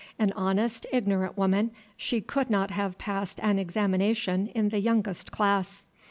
An honest, ignorant woman, she could not have passed an examination in the youngest class.